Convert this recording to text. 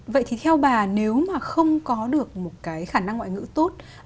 vậy thì theo bà nếu mà không có được một cái khả năng ngoại ngữ tốt